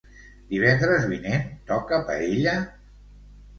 Divendres vinent toca paella?